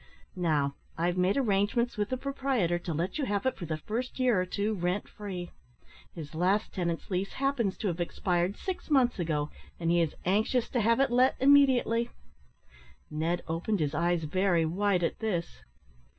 Now, I've made arrangements with the proprietor to let you have it for the first year or two rent free. His last tenant's lease happens to have expired six months ago, and he is anxious to have it let immediately." Ned opened his eyes very wide at this.